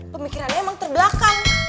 pemikirannya emang terbelakang